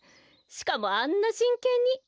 しかもあんなしんけんに。